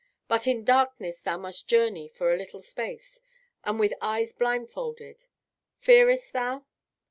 But in darkness thou must journey for a little space, and with eyes blindfolded. Fearest thou?"